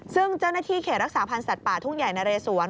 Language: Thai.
ซึ่งเจ้าหน้าที่เขตรักษาพันธ์สัตว์ป่าทุ่งใหญ่นะเรสวน